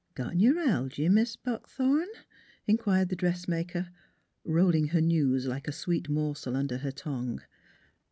" Got neu'ralgy, Mis' Buckthorn? " inquired the dressmaker, rolling her news like a sweet morsel under her tongue.